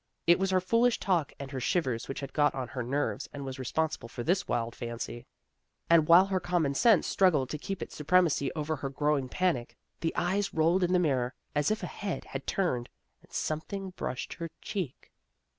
It was her foolish talk and her shivers which had got on her nerves and was responsible for this wild fancy. And while her common sense struggled to keep its supremacy over her growing panic, the eyes rolled in the mirror, as if a head had turned, and something brushed her cheek.